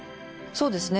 そうですね